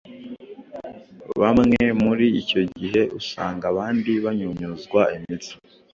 bamwe. Muri icyo gihe usanga abandi banyunyuzwa imitsi,